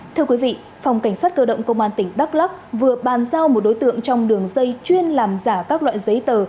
thưa quý vị phòng cảnh sát cơ động công an tỉnh đắk lắc vừa bàn giao một đối tượng trong đường dây chuyên làm giả các loại giấy tờ